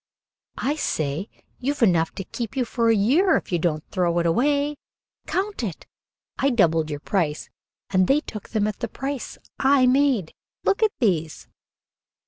"I say! You've enough to keep you for a year if you don't throw it away. Count it. I doubled your price and they took them at the price I made. Look at these."